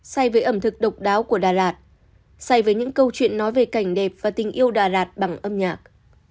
say với ẩm thực độc đáo của đà lạt say với những câu chuyện nói về cảnh đẹp và tình yêu đà lạt bằng âm nhạc